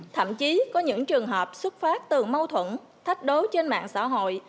thậm chí có những trường hợp xuất phát từ mâu thuẫn thách đối trên mạng xã hội